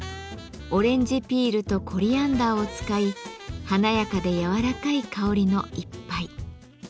オレンジピールとコリアンダーを使い華やかで柔らかい香りの一杯。